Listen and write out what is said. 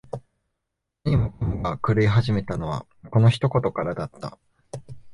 何もかもが狂い始めたのは、この一言からだった。